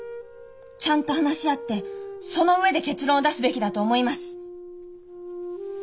ちゃんと話し合ってその上で結論を出すべきだと思います。